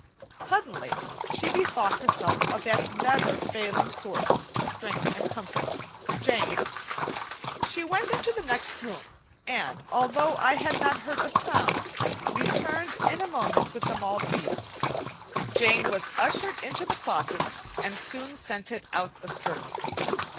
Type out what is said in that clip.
Suddenly she bethought herself of that never failing source of strength and comfort, Jane. She went into the next room, and, although I had not heard a sound, returned in a moment with the maltese. Jane was ushered into the closet, and soon scented out the skirt.